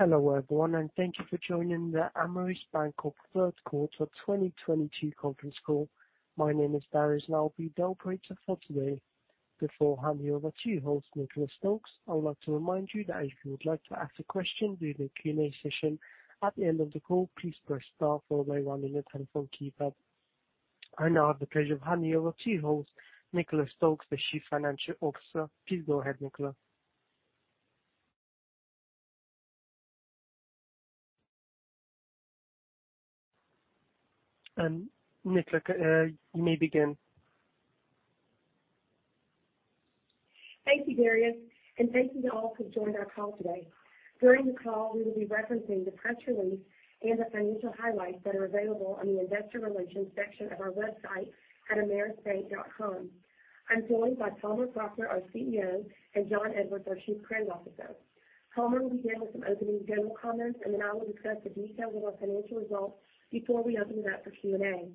Hello, everyone, and thank you for joining the Ameris Bancorp Q3 2022 Conference Call. My name is Darius, and I'll be the operator for today. Before handing over to your host, Nicole Stokes, I would like to remind you that if you would like to ask a question during the Q&A session at the end of the call, please press star followed by one on your telephone keypad. I now have the pleasure of handing over to your host, Nicole Stokes, the Chief Financial Officer. Please go ahead, Nicole. Nicole, you may begin. Thank you, Darius, and thank you to all who joined our call today. During the call, we will be referencing the press release and the financial highlights that are available on the investor relations section of our website at amerisbank.com. I'm joined by Palmer Proctor, our CEO, and Jon Edwards, our Chief Credit Officer. Palmer will begin with some opening general comments, and then I will discuss the details of our financial results before we open it up for Q&A.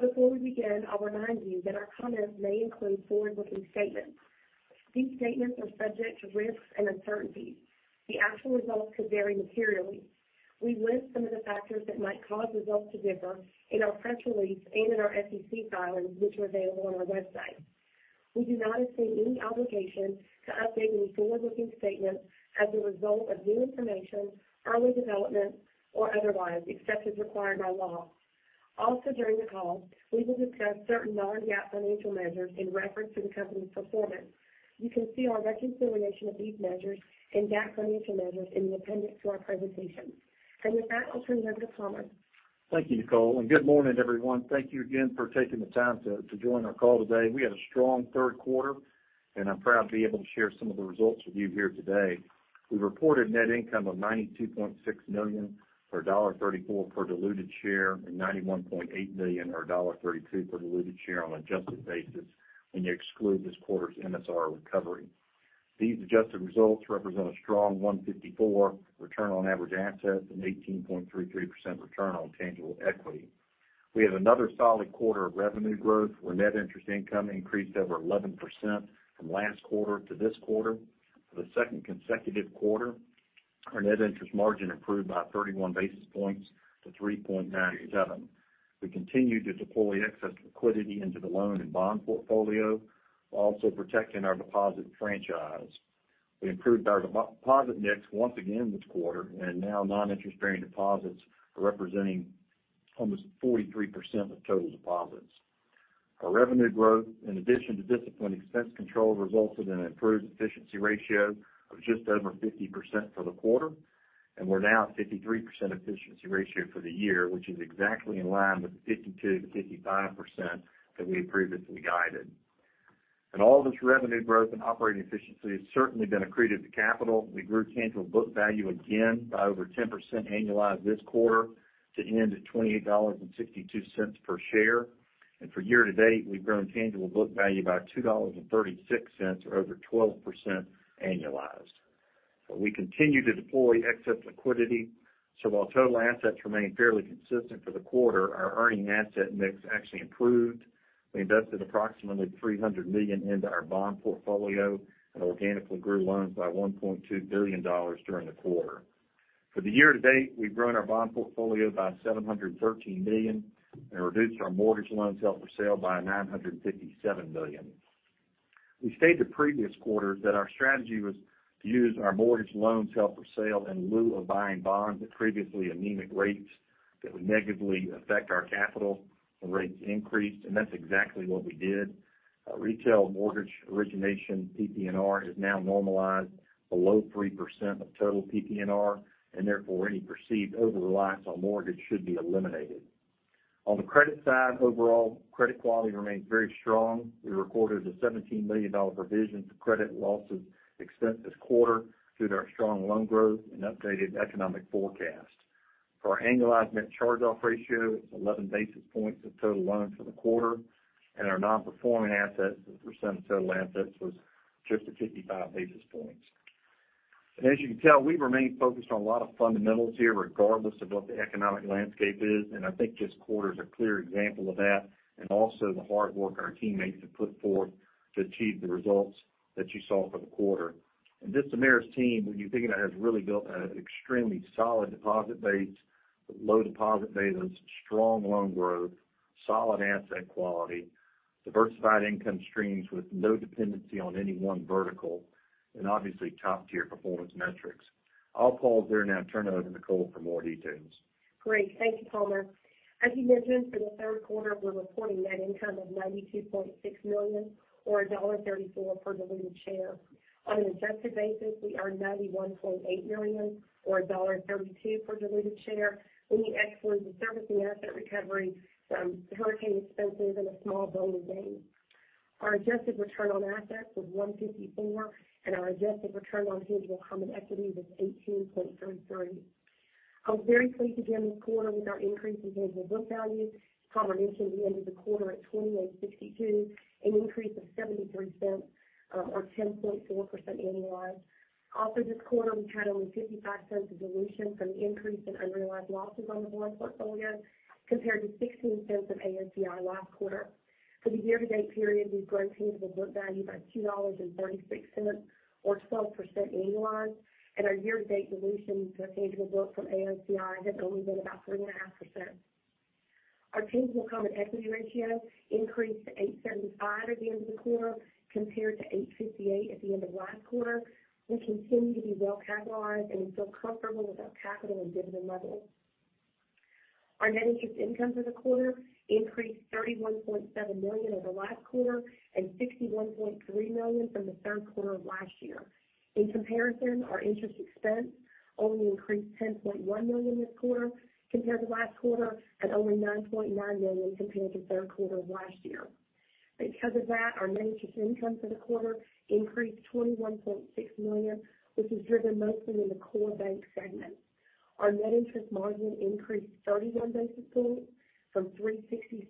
Before we begin, I'll remind you that our comments may include forward-looking statements. These statements are subject to risks and uncertainties. The actual results could vary materially. We list some of the factors that might cause results to differ in our press release and in our SEC filings, which are available on our website. We do not assume any obligation to update any forward-looking statements as a result of new information, early development, or otherwise, except as required by law. Also, during the call, we will discuss certain non-GAAP financial measures in reference to the company's performance. You can see our reconciliation of these measures and GAAP financial measures in the appendix to our presentation. With that, I'll turn it over to Palmer Proctor. Thank you, Nicole, and good morning, everyone. Thank you again for taking the time to join our call today. We had a strong Q3, and I'm proud to be able to share some of the results with you here today. We reported net income of $92.6 million or $1.34 per diluted share and $91.8 million or $1.32 per diluted share on an adjusted basis when you exclude this quarter's MSR recovery. These adjusted results represent a strong 1.54% return on average assets and 18.33% return on tangible equity. We had another solid quarter of revenue growth, where net interest income increased over 11% from last quarter to this quarter. For the second consecutive quarter, our net interest margin improved by 31 basis points to 3.97%. We continued to deploy excess liquidity into the loan and bond portfolio, while also protecting our deposit franchise. We improved our deposit mix once again this quarter, and now non-interest-bearing deposits are representing almost 43% of total deposits. Our revenue growth, in addition to disciplined expense control, resulted in an improved efficiency ratio of just over 50% for the quarter, and we're now at 53% efficiency ratio for the year, which is exactly in line with the 52% to 55% that we previously guided. All this revenue growth and operating efficiency has certainly been accretive to capital. We grew tangible book value again by over 10% annualized this quarter to end at $28.62 per share. For year to date, we've grown tangible book value by $2.36 or over 12% annualized. We continue to deploy excess liquidity, so while total assets remain fairly consistent for the quarter, our earning asset mix actually improved. We invested approximately $300 million into our bond portfolio and organically grew loans by $1.2 billion during the quarter. For the year to date, we've grown our bond portfolio by $713 million and reduced our mortgage loans held for sale by $957 million. We stated the previous quarter that our strategy was to use our mortgage loans held for sale in lieu of buying bonds at previously anemic rates that would negatively affect our capital when rates increased, and that's exactly what we did. Our retail mortgage origination PPNR is now normalized below 3% of total PPNR, and therefore, any perceived over-reliance on mortgage should be eliminated. On the credit side, overall, credit quality remains very strong. We recorded a $17 million provision for credit losses expense this quarter through their strong loan growth and updated economic forecast. For our annualized net charge-off ratio, it's 11 basis points of total loans for the quarter, and our non-performing assets as a percent of total assets was just at 55 basis points. As you can tell, we remain focused on a lot of fundamentals here, regardless of what the economic landscape is, and I think this quarter is a clear example of that and also the hard work our teammates have put forth to achieve the results that you saw for the quarter. This Ameris team, when you think about it, has really built an extremely solid deposit base with low deposit betas, strong loan growth, solid asset quality, diversified income streams with no dependency on any one vertical, and obviously top-tier performance metrics. I'll pause there and now turn it over to Nicole for more details. Great. Thank you, Palmer Proctor. As he mentioned, for the Q3, we're reporting net income of $92.6 million or $1.34 per diluted share. On an adjusted basis, we earned $91.8 million or $1.32 per diluted share, when we exclude the servicing asset recovery from hurricane expenses and a small bond gain. Our adjusted return on assets was 1.54%, and our adjusted return on tangible common equity was 18.33%. I was very pleased again this quarter with our increase in tangible book value. Palmer Proctor mentioned we ended the quarter at $28.62, an increase of 73 cents or 10.4% annualized. This quarter, we had only $0.55 of dilution from the increase in unrealized losses on the bond portfolio compared to $0.16 of AOCI last quarter. For the year-to-date period, we've grown tangible book value by $2.36 or 12% annualized, and our year-to-date dilution to tangible book from AOCI has only been about 3.5%. Our tangible common equity ratio increased to 8.75 at the end of the quarter compared to 8.58 at the end of last quarter. We continue to be well capitalized, and we feel comfortable with our capital and dividend levels. Our net interest income for the quarter increased $31.7 million over last quarter and $61.3 million from the Q3 of last year. In comparison, our interest expense only increased $10.1 million this quarter compared to last quarter, and only $9.9 million compared to Q3 of last year. Because of that, our net interest income for the quarter increased $21.6 million, which was driven mostly in the core bank segment. Our net interest margin increased 31 basis points from 3.66%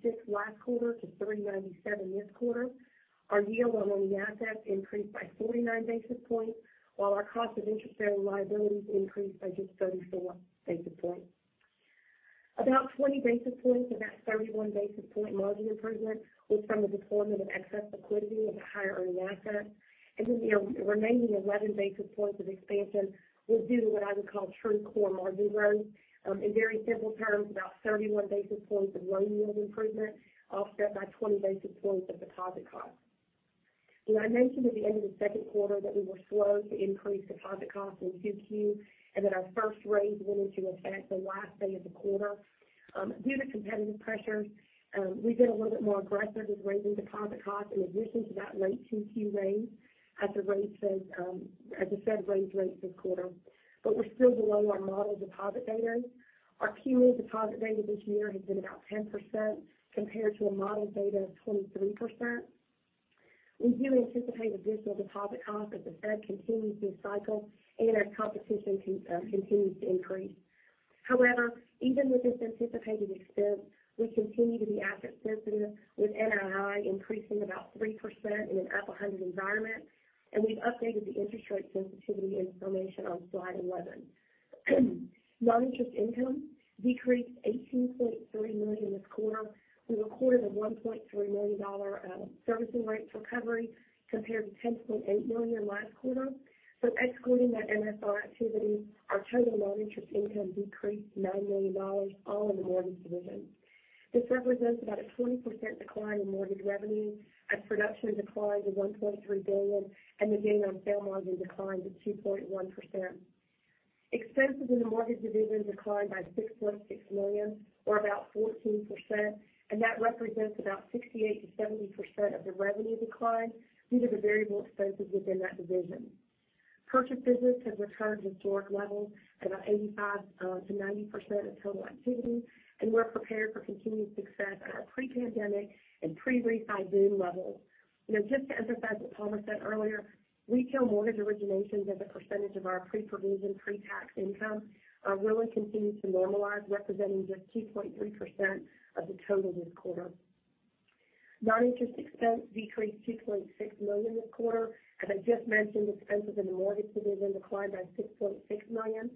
to 3.97% this quarter. Our yield on earning assets increased by 49 basis points, while our cost of interest-bearing liabilities increased by just 34 basis points. About 20 basis points of that 31 basis point margin improvement was from the deployment of excess liquidity into higher earning assets. The remaining 11 basis points of expansion was due to what I would call true core margin growth. In very simple terms, about 31 basis points of loan yield improvement, offset by 20 basis points of deposit costs. You know, I mentioned at the end of the Q2 that we were slow to increase deposit costs in 2Q, and that our first raise went into effect the last day of the quarter. Due to competitive pressures, we've been a little bit more aggressive with raising deposit costs in addition to that late 2Q raise as the Fed raised rates this quarter. But we're still below our model deposit beta. Our quarterly deposit beta this year has been about 10% compared to a model beta of 23%. We do anticipate additional deposit costs as the Fed continues this cycle and as competition continues to increase. However, even with this anticipated expense, we continue to be asset sensitive with NII increasing about 3% in an up 100 environment, and we've updated the interest rate sensitivity information on slide 11. Non-interest income decreased $18.3 million this quarter. We recorded a $1.3 million servicing rights recovery compared to $10.8 million last quarter. Excluding that MSR activity, our total non-interest income decreased $9 million, all in the mortgage division. This represents about a 20% decline in mortgage revenue as production declined to $1.3 billion and the gain on sale margins declined to 2.1%. Expenses in the mortgage division declined by $6.6 million or about 14%, and that represents about 68% to 70% of the revenue decline due to the variable expenses within that division. Purchase business has returned to historic levels, about 85% to 90% of total activity, and we're prepared for continued success at our pre-pandemic and pre-refi boom levels. You know, just to emphasize what Palmer said earlier, retail mortgage originations as a percentage of our pre-provision pre-tax income really continues to normalize, representing just 2.3% of the total this quarter. Non-interest expense decreased $2.6 million this quarter. As I just mentioned, expenses in the mortgage division declined by $6.6 million.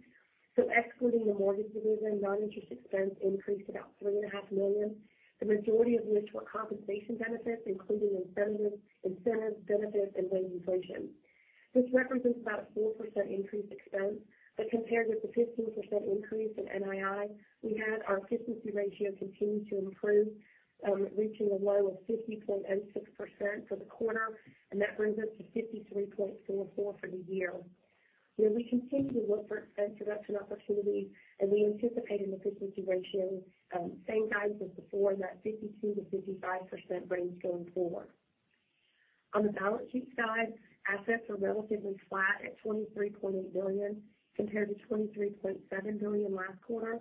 Excluding the mortgage division, non-interest expense increased about $3.5 million, the majority of which were compensation benefits, including incentives, benefits, and wage inflation. This represents about 4% increased expense, but compared with the 15% increase in NII we had, our efficiency ratio continued to improve, reaching a low of 50.06% for the quarter, and that brings us to 53.44 for the year. You know, we continue to look for expense reduction opportunities, and we anticipate an efficiency ratio, same guidance as before in that 52% to 55% range going forward. On the balance sheet side, assets are relatively flat at $23.8 billion compared to $23.7 billion last quarter.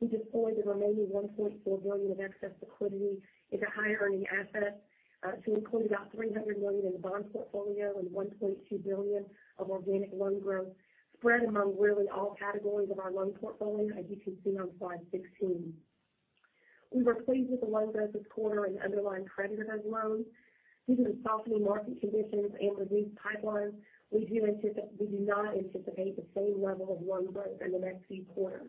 We deployed the remaining $1.4 billion of excess liquidity into higher earning assets. We put about $300 million in the bond portfolio and $1.2 billion of organic loan growth spread among really all categories of our loan portfolio, as you can see on slide 16. We were pleased with the loan growth this quarter and the underlying credit of those loans. Due to the softening market conditions and the reduced pipeline, we do not anticipate the same level of loan growth in the next few quarters.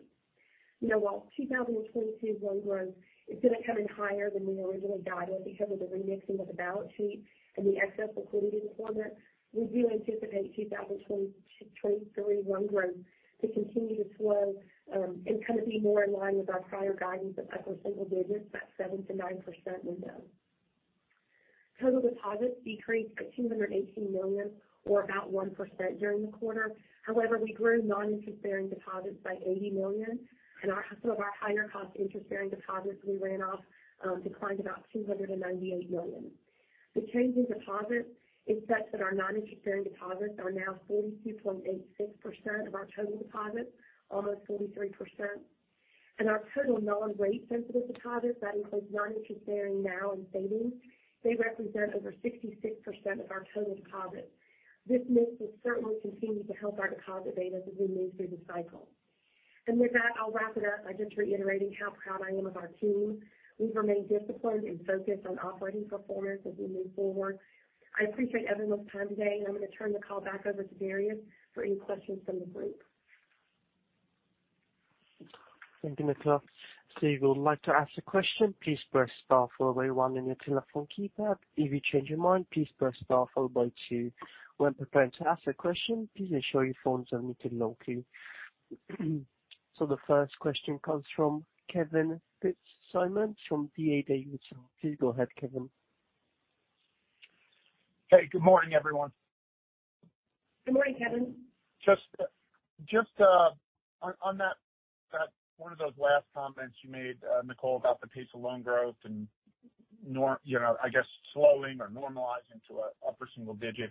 You know, while 2022 loan growth is going to come in higher than we originally guided because of the remixing of the balance sheet and the excess liquidity deployment, we do anticipate 2023 loan growth to continue to slow, and kind of be more in line with our prior guidance of upper single digits, that 7% to 9% window. Total deposits decreased $218 million or about 1% during the quarter. However, we grew non-interest-bearing deposits by $80 million, and some of our higher-cost interest-bearing deposits we ran off declined about $298 million. The change in deposits is such that our non-interest-bearing deposits are now 42.86% of our total deposits, almost 43%. Our total non-rate-sensitive deposits, that includes non-interest-bearing now and savings, they represent over 66% of our total deposits. This mix will certainly continue to help our deposit beta as we move through the cycle. With that, I'll wrap it up by just reiterating how proud I am of our team. We remain disciplined and focused on operating performance as we move forward. I appreciate everyone's time today, and I'm going to turn the call back over to Darius for any questions from the group. Thank you, Nicole. If you would like to ask a question, please press star followed by one on your telephone keypad. If you change your mind, please press star followed by two. When preparing to ask a question, please ensure your phone is muted locally. The first question comes from Kevin Fitzsimmons from D.A. Davidson. Please go ahead, Kevin. Hey, good morning, everyone. Good morning, Kevin. Just on that one of those last comments you made, Nicole, about the pace of loan growth and you know, I guess slowing or normalizing to an upper single digit.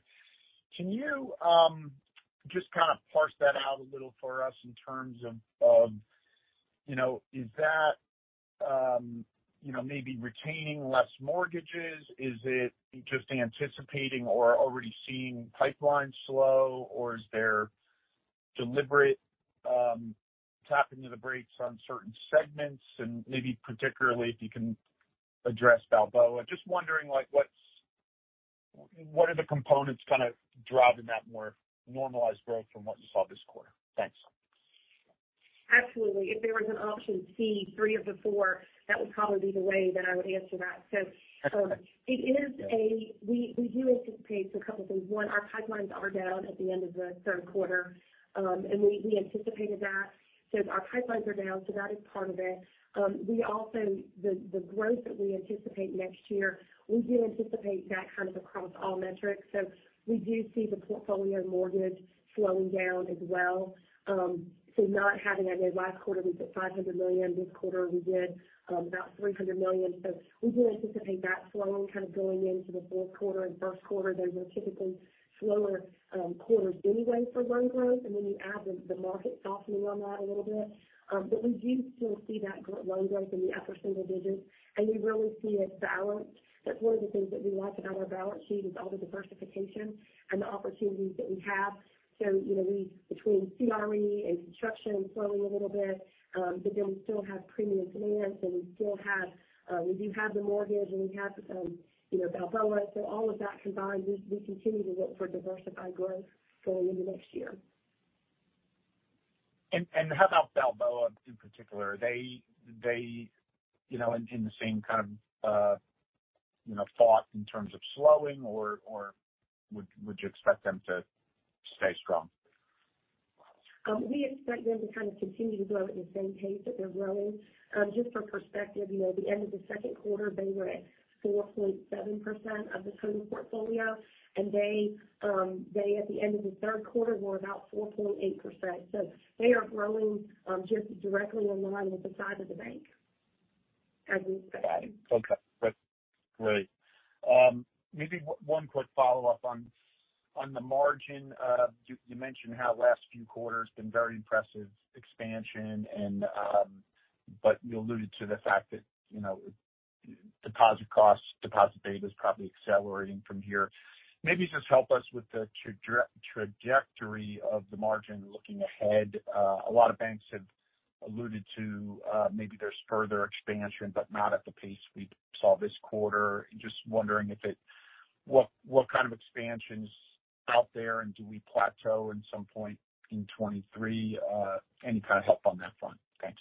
Can you just kind of parse that out a little for us in terms of you know, is that you know, maybe retaining less mortgages? Is it just anticipating or already seeing pipelines slow or is there deliberate tapping on the brakes on certain segments? And maybe particularly if you can address Balboa. Just wondering, like, what are the components kind of driving that more normalized growth from what you saw this quarter? Thanks. Absolutely. If there was an option C, three of the four, that would probably be the way that I would answer that. We do anticipate for a couple things. One, our pipelines are down at the end of the Q3, and we anticipated that. Our pipelines are down, so that is part of it. The growth that we anticipate next year, we do anticipate that kind of across all metrics. We do see the portfolio mortgage slowing down as well. Not having that there. Last quarter, we did $500 million. This quarter we did about $300 million. We do anticipate that slowing kind of going into the Q4 and Q1. Those are typically slower quarters anyway for loan growth. You add the market softening on that a little bit. But we do still see that loan growth in the upper single digits, and we really see it balanced. That's one of the things that we like about our balance sheet is all the diversification and the opportunities that we have. You know, we between CRE and construction slowing a little bit, but then we still have premium finance and we still have, we do have the mortgage and we have, you know, Balboa Capital. All of that combined, we continue to look for diversified growth going into next year. How about Balboa in particular? Are they you know in the same kind of you know thought in terms of slowing or would you expect them to stay strong? We expect them to kind of continue to grow at the same pace that they're growing. Just for perspective, you know, at the end of the Q2, they were at 4.7% of the total portfolio. They, at the end of the Q3, were about 4.8%. They are growing just directly in line with the size of the bank as we expect. Got it. Okay. That's great. Maybe one quick follow-up on the margin. You mentioned how last few quarters been very impressive expansion and, but you alluded to the fact that, you know, deposit costs, deposit beta is probably accelerating from here. Maybe just help us with the trajectory of the margin looking ahead. A lot of banks have alluded to, maybe there's further expansion, but not at the pace we saw this quarter. Just wondering what kind of expansion's out there and do we plateau at some point in 2023? Any kind of help on that front? Thanks.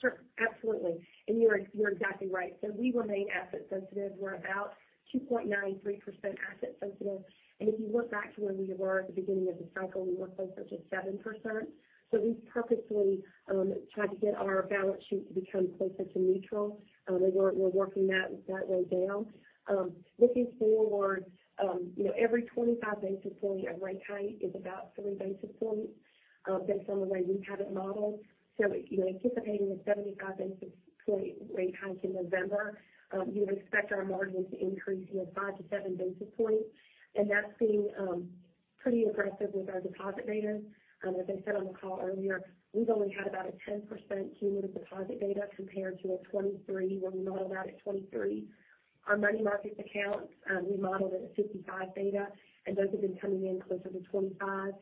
Sure. Absolutely. You're exactly right. We remain asset sensitive. We're about 2.93% asset sensitive. If you look back to where we were at the beginning of the cycle, we were closer to 7%. We've purposefully tried to get our balance sheet to become closer to neutral. We're working that way down. Looking forward, you know, every 25 basis point of rate hike is about 3 basis points, based on the way we have it modeled. You know, anticipating a 75 basis point rate hike in November, you would expect our margin to increase, you know, 5 to 7 basis points. That's being pretty aggressive with our deposit betas. As I said on the call earlier, we've only had about a 10% cumulative deposit beta compared to a 23, where we modeled out at 23. Our money market accounts, we modeled at a 55 beta, and those have been coming in closer to 25.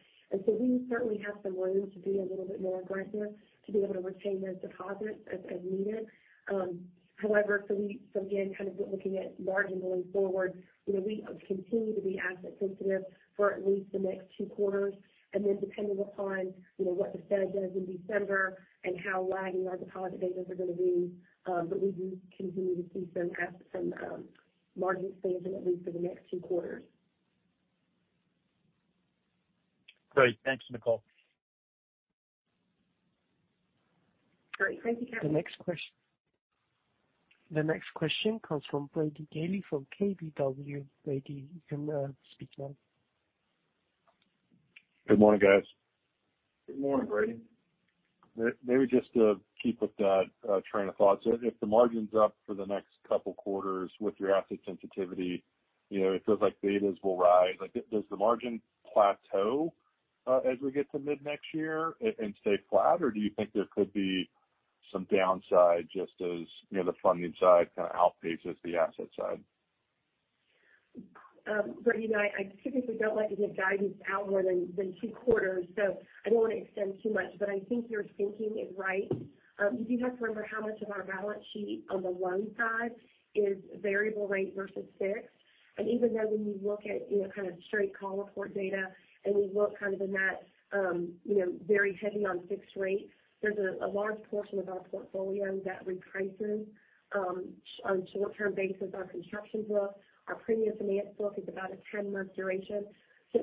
We certainly have some room to be a little bit more aggressive to be able to retain those deposits as needed. However, again, kind of looking at margin going forward, you know, we continue to be asset sensitive for at least the next two quarters. Depending upon, you know, what the Fed does in December and how lagging our deposit betas are gonna be, but we do continue to see some margin expansion at least for the next two quarters. Great. Thanks, Nicole. Great. Thank you, Kevin. The next question comes from Brady Gailey from KBW. Brady, you can speak now. Good morning, guys. Good morning, Brady. Maybe just to keep with that train of thought. If the margin's up for the next couple quarters with your asset sensitivity, you know, it feels like betas will rise. Like, does the margin plateau as we get to mid next year and stay flat? Do you think there could be some downside just as, you know, the funding side kinda outpaces the asset side? Brady and I typically don't like to give guidance out more than two quarters, so I don't wanna extend too much, but I think your thinking is right. You do have to remember how much of our balance sheet on the loan side is variable rate versus fixed. Even though when you look at, you know, kind of straight Call Report data, and we look kind of in that, you know, very heavy on fixed rate, there's a large portion of our portfolio that reprices on short-term basis, our construction book, our premium finance book is about a 10-month duration.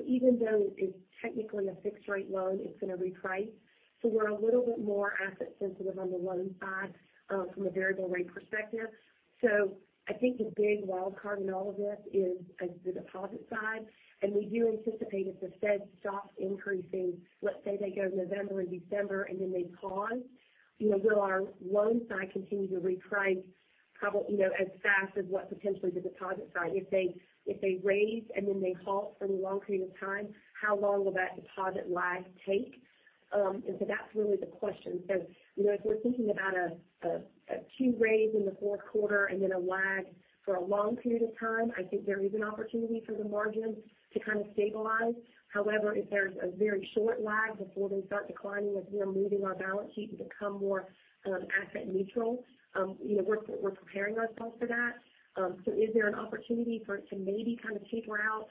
Even though it's technically a fixed rate loan, it's gonna reprice. We're a little bit more asset sensitive on the loan side from a variable rate perspective. I think the big wild card in all of this is the deposit side. We do anticipate if the Fed stops increasing, let's say they go November and December, and then they pause, you know, will our loan side continue to reprice you know, as fast as what potentially the deposit side. If they raise and then they halt for any long period of time, how long will that deposit lag take? That's really the question. You know, if we're thinking about a two raise in the Q4 and then a lag for a long period of time, I think there is an opportunity for the margin to kind of stabilize. However, if there's a very short lag before they start declining, as we are moving our balance sheet to become more asset neutral, you know, we're preparing ourselves for that. Is there an opportunity for it to maybe kind of taper out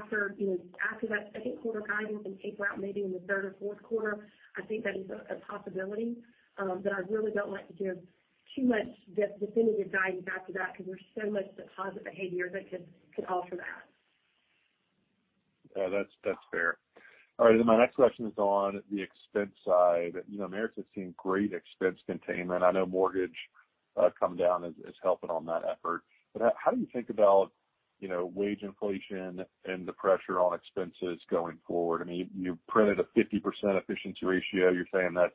after, you know, after that Q2 guidance and taper out maybe in the third or Q4? I think that is a possibility. I really don't like to give too much definitive guidance after that because there's so much deposit behavior that could alter that. Yeah, that's fair. All right, my next question is on the expense side. You know, Ameris has seen great expense containment. I know mortgage come down is helping on that effort. How do you think about, you know, wage inflation and the pressure on expenses going forward? I mean, you printed a 50% efficiency ratio. You're saying that's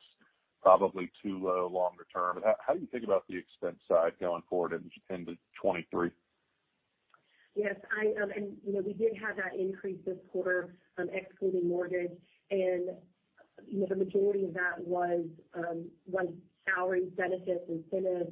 probably too low longer term. How do you think about the expense side going forward into 2023? Yes, you know, we did have that increase this quarter on excluding mortgage. You know, the majority of that was salary benefits, incentives,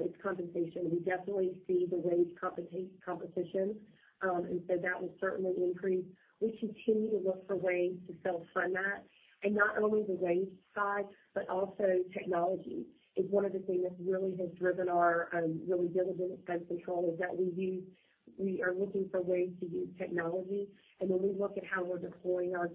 it's compensation. We definitely see the wage competition. That will certainly increase. We continue to look for ways to self-fund that. Not only the wage side, but also technology is one of the things that really has driven our really diligent expense control is that we are looking for ways to use technology. When we look at how we're deploying our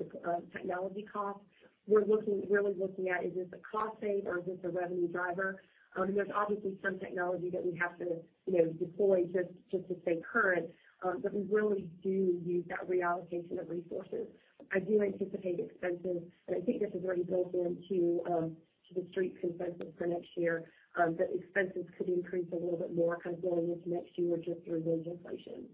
technology costs, we're looking, really looking at is this a cost save or is this a revenue driver. There's obviously some technology that we have to, you know, deploy just to stay current. But we really do use that reallocation of resources. I do anticipate expenses, and I think this is already built into the Street consensus for next year, that expenses could increase a little bit more kind of going into next year just through wage inflation.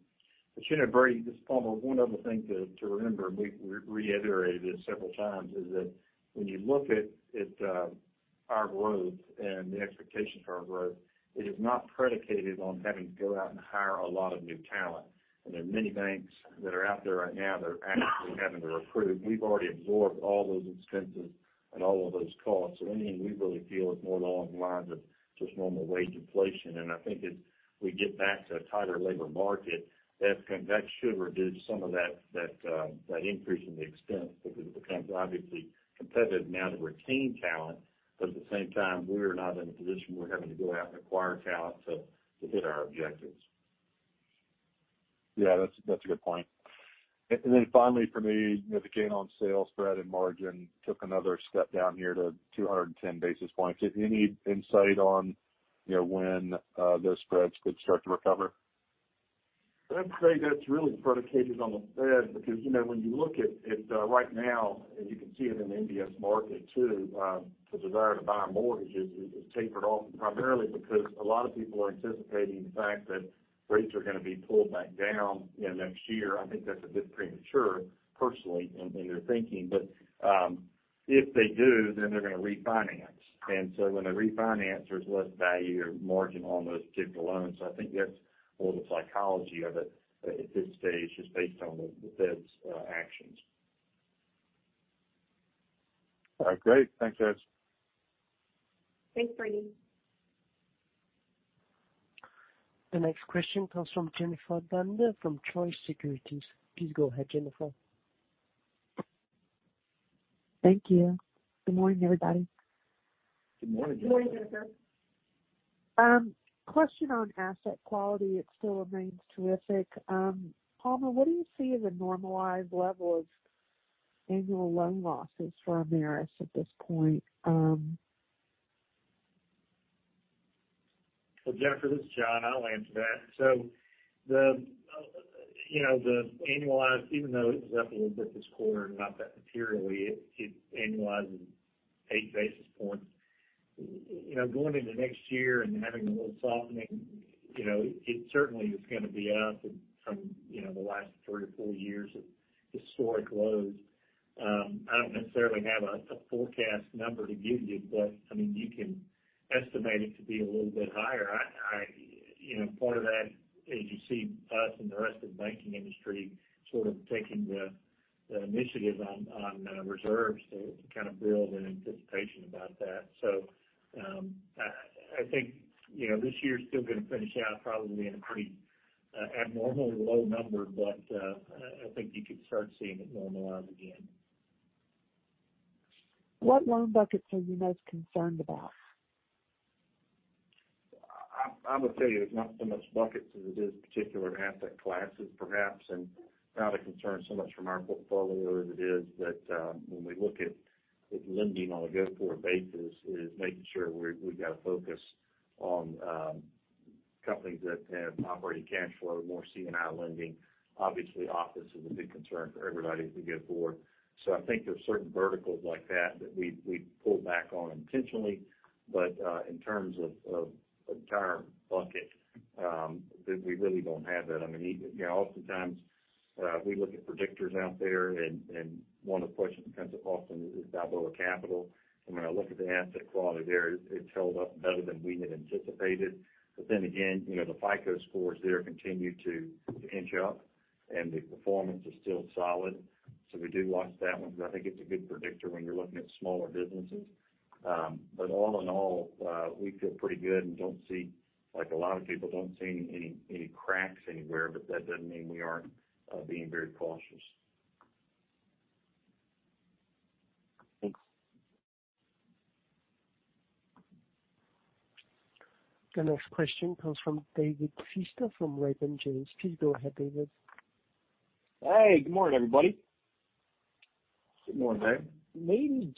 You know, Brady, just one more, one other thing to remember, and we've reiterated it several times, is that when you look at our growth and the expectations for our growth, it is not predicated on having to go out and hire a lot of new talent. There are many banks that are out there right now that are actively having to recruit. We've already absorbed all those expenses and all of those costs. In the end, we really feel it's more along the lines of just normal wage inflation. I think as we get back to a tighter labor market, that can, that should reduce some of that increase in the expense because it becomes obviously competitive now to retain talent. at the same time, we're not in a position where we're having to go out and acquire talent to hit our objectives. Yeah, that's a good point. Finally for me, you know, the gain on sale spread and margin took another step down here to 210 basis points. Any insight on, you know, when those spreads could start to recover? I'd say that's really predicated on the Fed because, you know, when you look at right now, and you can see it in the MBS market too, the desire to buy mortgages is tapered off primarily because a lot of people are anticipating the fact that rates are gonna be pulled back down, you know, next year. I think that's a bit premature, personally, in their thinking. If they do, then they're gonna refinance. When they refinance, there's less value or margin on those particular loans. I think that's all the psychology of it at this stage is based on the Fed's actions. All right, great. Thanks, guys. Thanks, Brady. The next question comes from Jennifer Demba from Truist Securities. Please go ahead, Jennifer. Thank you. Good morning, everybody. Good morning. Good morning, Jennifer. Question on asset quality. It still remains terrific. Palmer, what do you see as a normalized level of annual loan losses for Ameris at this point? Well, Jennifer, this is John. I'll answer that. So the, you know, the annualized, even though it was up a little bit this quarter, not that materially, it annualizes eight basis points. You know, going into next year and having a little softening, you know, it certainly is gonna be up from, you know, the last three to four years of historic lows. I don't necessarily have a forecast number to give you, but I mean, you can estimate it to be a little bit higher. I, you know, part of that is you see us and the rest of the banking industry sort of taking the initiative on reserves to kind of build in anticipation about that. I think, you know, this year's still gonna finish out probably in a pretty abnormal low number, but I think you could start seeing it normalize again. What loan buckets are you most concerned about? I would tell you it's not so much buckets as it is particular asset classes perhaps. Not a concern so much from our portfolio as it is that, when we look at lending on a go-forward basis, is making sure we've got a focus on companies that have operating cash flow, more C&I lending. Obviously, office is a big concern for everybody as we go forward. I think there are certain verticals like that that we pull back on intentionally. In terms of a term bucket, we really don't have that. I mean, you know, oftentimes we look at predictors out there and one, of course, that comes up often is Balboa Capital. When I look at the asset quality there, it's held up better than we had anticipated. You know, the FICO scores there continue to inch up, and the performance is still solid. We do watch that one. I think it's a good predictor when you're looking at smaller businesses. All in all, we feel pretty good and don't see, like a lot of people, don't see any cracks anywhere, but that doesn't mean we aren't being very cautious. Thanks. The next question comes from David Feaster from Raymond James. Please go ahead, David. Hey, good morning, everybody. Good morning, Dave.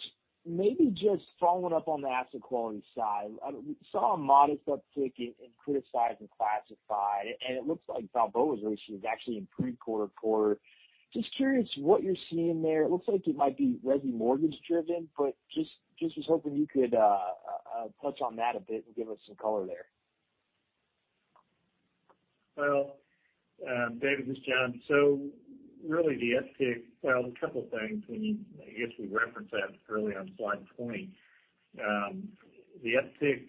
Maybe just following up on the asset quality side. We saw a modest uptick in criticized and classified, and it looks like Balboa's actually improved quarter-over-quarter. Just curious what you're seeing there. It looks like it might be resi mortgage driven, but was hoping you could touch on that a bit and give us some color there. David, this is John. Really the uptick. A couple things. I guess we referenced that early on slide 20. The uptick,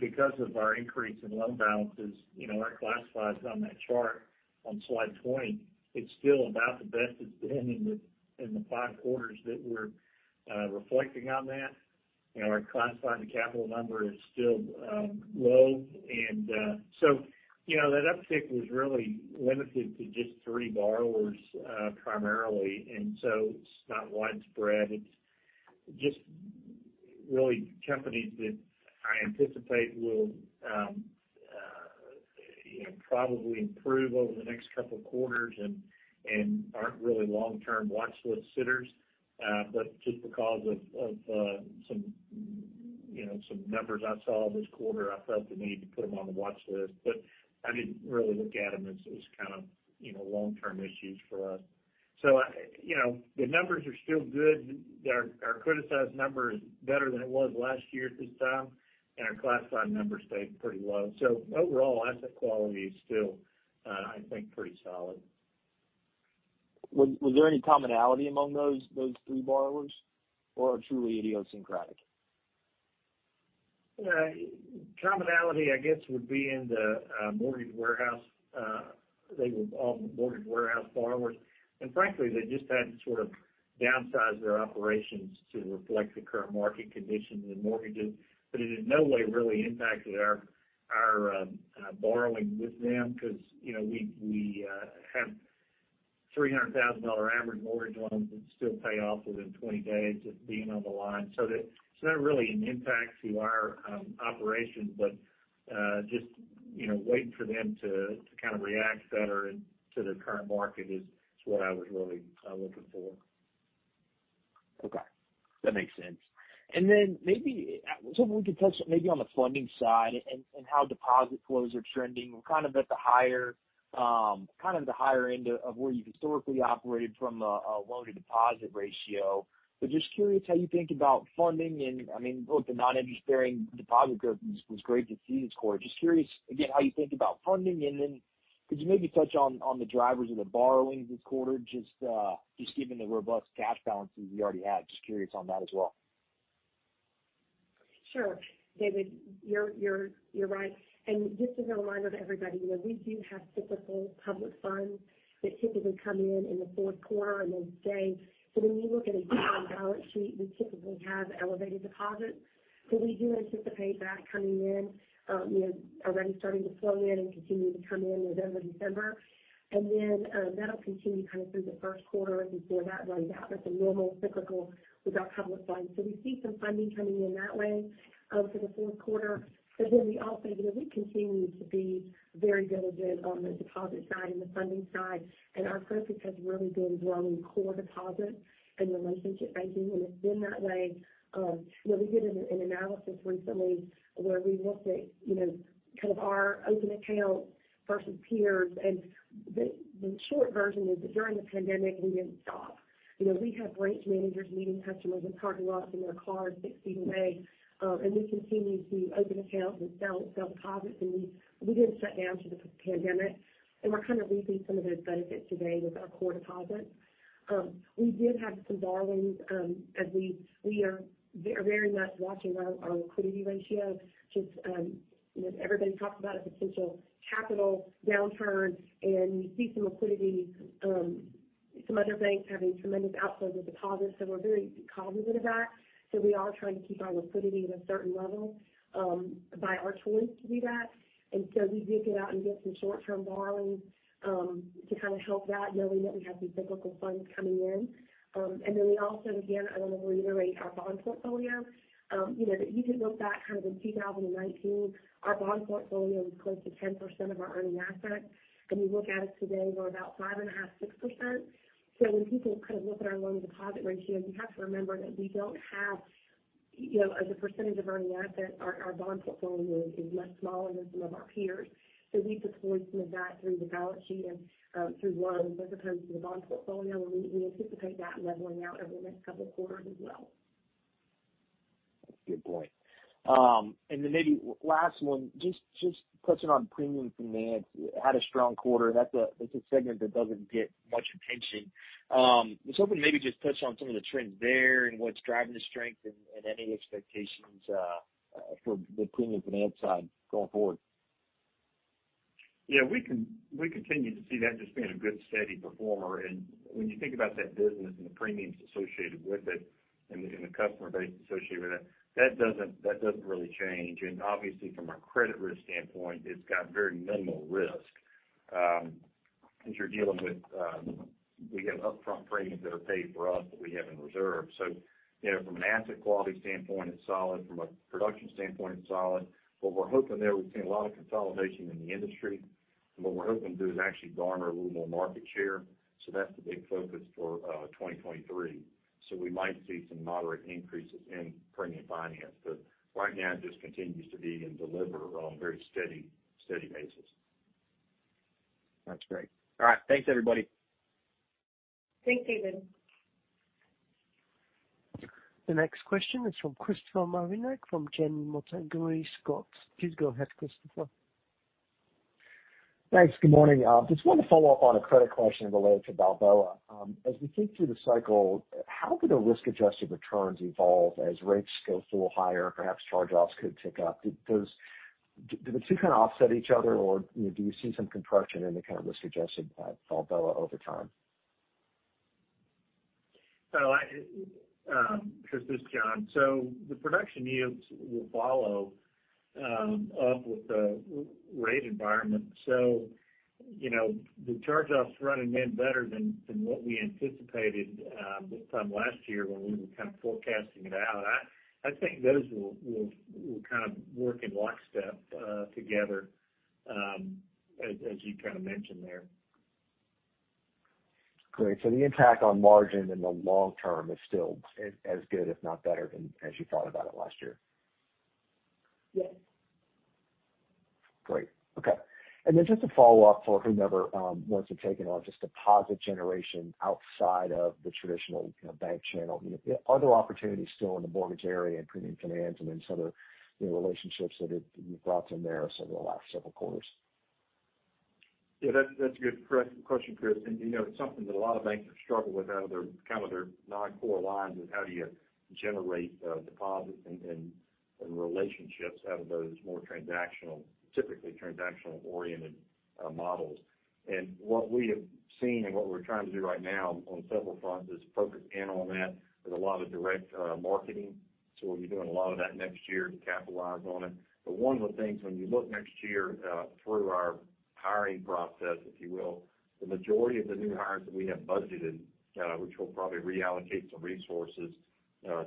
because of our increase in loan balances, you know, our classifieds on that chart on slide 20, it's still about the best it's been in the five quarters that we're reflecting on that. Our classified to capital number is still low and. You know, that uptick was really limited to just three borrowers, primarily. It's not widespread. It's just really companies that I anticipate will, you know, probably improve over the next couple of quarters and aren't really long-term watch list sitters. But just because of some, you know, some numbers I saw this quarter, I felt the need to put them on the watch list. I didn't really look at them as kind of, you know, long-term issues for us. I, you know, the numbers are still good. Our criticized number is better than it was last year at this time, and our classified numbers stayed pretty low. Overall, asset quality is still, I think, pretty solid. Was there any commonality among those three borrowers or truly idiosyncratic? Commonality, I guess, would be in the mortgage warehouse. They were all mortgage warehouse borrowers. Frankly, they just had to sort of downsize their operations to reflect the current market conditions in mortgages. It in no way really impacted our borrowing with them because, you know, we have $300,000 average mortgage loans that still pay off within 20 days of being on the line. That really impacts our operations, but just, you know, waiting for them to kind of react better to the current market is what I was really looking for. Okay. That makes sense. Then maybe I was hoping we could touch maybe on the funding side and how deposit flows are trending. We're kind of at the higher kind of the higher end of where you've historically operated from a loan-to-deposit ratio. But just curious how you think about funding and I mean look the non-interest-bearing deposit growth was great to see this quarter. Just curious again how you think about funding and then could you maybe touch on the drivers of the borrowings this quarter just given the robust cash balances you already had. Just curious on that as well. Sure. David, you're right. Just as a reminder to everybody, you know, we do have cyclical public funds that typically come in in the Q4 and then stay. When you look at a strong balance sheet, we typically have elevated deposits. We do anticipate that coming in, you know, already starting to flow in and continue to come in November, December. That'll continue kind of through the Q1 as we see that run down. That's a normal cyclical with our public funds. We see some funding coming in that way, for the Q4. We also, you know, we continue to be very diligent on the deposit side and the funding side, and our focus has really been growing core deposits and relationship banking, and it's been that way. You know, we did an analysis recently where we looked at, you know, kind of our open account versus peers. The short version is that during the pandemic, we didn't stop. You know, we had branch managers meeting customers in parking lots in their cars six feet away, and we continued to open accounts and sell deposits, and we didn't shut down due to the pandemic. We're kind of reaping some of those benefits today with our core deposits. We did have some borrowings, as we are very much watching our liquidity ratio. You know, everybody talks about a potential capital downturn and we see some liquidity pressure. Some other banks having tremendous outflow of deposits. We're very cognizant of that. We are trying to keep our liquidity at a certain level, by our choice to do that. We did get out and get some short-term borrowing, to kind of help that, knowing that we have these cyclical funds coming in. We also, again, I want to reiterate our bond portfolio. You know, if you look back kind of in 2019, our bond portfolio was close to 10% of our earning assets. You look at it today, we're about 5.5% to 6%. When people kind of look at our loan deposit ratios, you have to remember that we don't have, you know, as a percentage of earning assets, our bond portfolio is much smaller than some of our peers. We've deployed some of that through the balance sheet and, through loans as opposed to the bond portfolio. We anticipate that leveling out over the next couple of quarters as well. Good point. Maybe last one, just touching on premium finance. Had a strong quarter. That's a segment that doesn't get much attention. I was hoping maybe just touch on some of the trends there and what's driving the strength and any expectations for the premium finance side going forward. Yeah, we continue to see that just being a good, steady performer. When you think about that business and the premiums associated with it and the customer base associated with that doesn't really change. Obviously from a credit risk standpoint, it's got very minimal risk, because you're dealing with again, upfront premiums that are paid for us that we have in reserve. You know, from an asset quality standpoint, it's solid. From a production standpoint, it's solid. What we're hoping there, we've seen a lot of consolidation in the industry, and what we're hoping to do is actually garner a little more market share. That's the big focus for 2023. We might see some moderate increases in premium finance. Right now it just continues to be and deliver on a very steady basis. That's great. All right. Thanks, everybody. Thanks, David. The next question is from Christopher Marinac from Janney Montgomery Scott. Please go ahead, Christopher. Thanks. Good morning. Just wanted to follow up on a credit question related to Balboa. As we think through the cycle, how do the risk-adjusted returns evolve as rates go a little higher, perhaps charge-offs could tick up? Do the two kind of offset each other, or, you know, do you see some contraction in the kind of risk-adjusted at Balboa over time? Chris, this is John. The production yields will follow up with the rate environment. You know, the charge-offs running in better than what we anticipated this time last year when we were kind of forecasting it out. I think those will kind of work in lockstep together as you kind of mentioned there. Great. The impact on margin in the long term is still as good, if not better than, as you thought about it last year. Yes. Great. Okay. Just a follow-up for whomever wants to take it on, just deposit generation outside of the traditional, you know, bank channel. Are there opportunities still in the mortgage area and premium finance and in some other, you know, relationships that you've brought to bear over the last several quarters? Yeah, that's a good question, Chris. You know, it's something that a lot of banks have struggled with out of their, kind of their non-core lines is how do you generate deposits and relationships out of those more transactional, typically transactional-oriented models. What we have seen and what we're trying to do right now on several fronts is focus in on that. There's a lot of direct marketing, so we'll be doing a lot of that next year to capitalize on it. One of the things when you look next year through our hiring process, if you will, the majority of the new hires that we have budgeted, which we'll probably reallocate some resources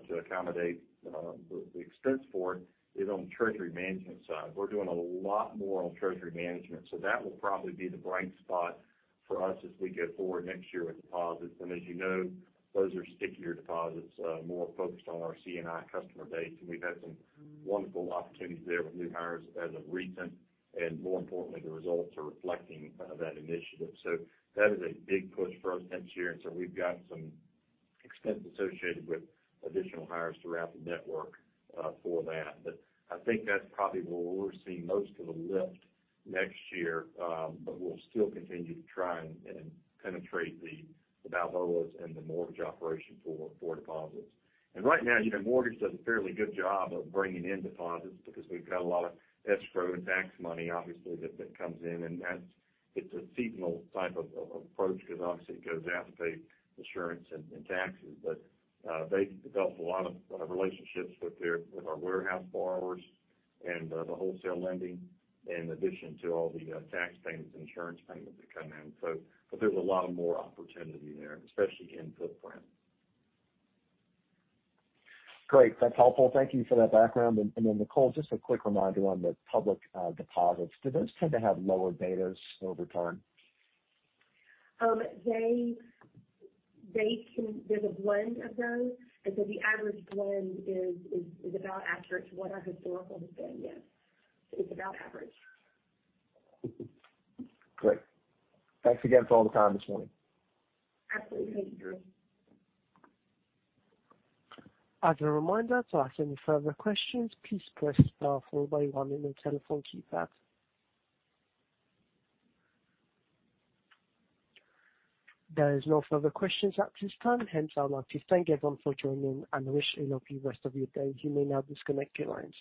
to accommodate the expense for it, is on the treasury management side. We're doing a lot more on treasury management. That will probably be the bright spot for us as we go forward next year with deposits. As you know, those are stickier deposits, more focused on our C&I customer base. We've had some wonderful opportunities there with new hires as of recent. More importantly, the results are reflecting that initiative. That is a big push for us next year. We've got some expense associated with additional hires throughout the network for that. I think that's probably where we're seeing most of the lift next year. We'll still continue to try and penetrate the Balboa and the mortgage operation for deposits. Right now, you know, mortgage does a fairly good job of bringing in deposits because we've got a lot of escrow and tax money obviously that comes in, and that's a seasonal type of approach because obviously it goes out to pay insurance and taxes. They've developed a lot of relationships with our warehouse borrowers and the wholesale lending in addition to all the tax payments and insurance payments that come in. There's a lot more opportunity there, especially in footprint. Great. That's helpful. Thank you for that background. Nicole, just a quick reminder on the public deposits. Do those tend to have lower betas over time? There's a blend of those. The average blend is about accurate to what our historical has been, yes. It's about average. Great. Thanks again for all the time this morning. Absolutely, Chris. As a reminder, to ask any further questions, please press star four by one on your telephone keypad. There is no further questions at this time. Hence, I would like to thank everyone for joining, and I wish you a lovely rest of your day. You may now disconnect your lines.